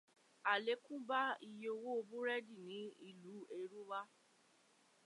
Àlékún bá iye owó búrẹ́dì ní ìlú Èrúwà.